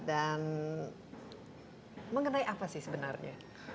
dan mengenai apa sih sebenarnya